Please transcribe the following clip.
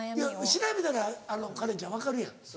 調べたらカレンちゃん分かるやん。